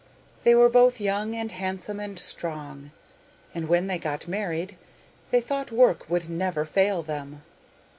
They were both young and handsome and strong, and when they got married, they thought work would never fail them.